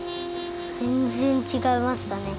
ぜんぜんちがいましたね。